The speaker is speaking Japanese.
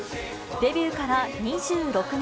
デビューから２６年。